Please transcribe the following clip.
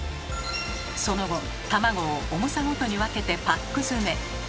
その後卵を重さごとに分けてパック詰め。